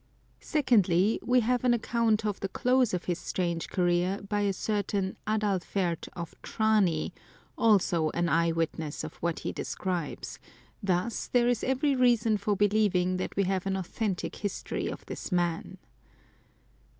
Secondly, we have an account of the close of his strange career by a certain Adalfert of Trani, also an eye witness of what he describes ; thus there is every reason for believing that we have an authentic history of this man.